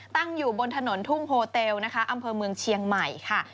ตั้งอยู่บนถนนทุ่งโฮเตลนะคะอำเภอเมืองเชียงใหม่ค่ะ